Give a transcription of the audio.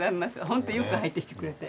ホントよく入ってきてくれて。